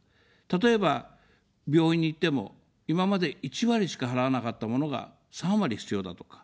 例えば病院に行っても、今まで１割しか払わなかったものが、３割必要だとか。